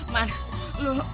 mak lu lu liat